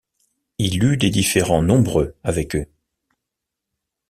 Il eut des différends nombreux avec eux.